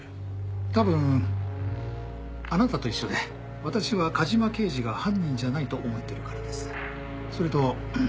多分あなたと一緒で私は梶間刑事が犯人じゃないと思ってるからです。